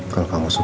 kalau kamu suka